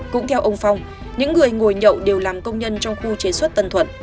cũng theo ông phong những người ngồi nhậu đều làm công nhân trong khu chế xuất tân thuận